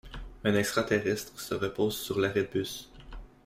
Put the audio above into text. Un extra-terrestre se repose sur l'arrêt de bus.